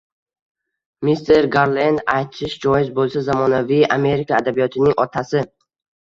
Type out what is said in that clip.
Mister Garlend, aytish joiz bo‘lsa, zamonaviy Amerika adabiyotining otasi